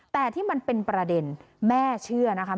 แต่ที่มันเป็นประเด็นแม่เชื่อนะคะ